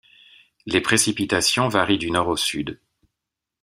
Les précipitations varient du nord au sud.